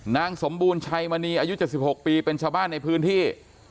นางสมบูรณ์ชัยมณีอายุ๗๖ปีเป็นชาวบ้านในพื้นที่